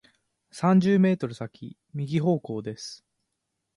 三十メートル先、右方向です。